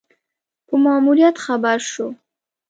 په ماموریت خبر شو.